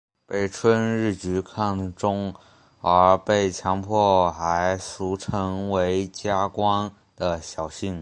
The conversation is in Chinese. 被春日局看中而被强迫还俗成为家光的小姓。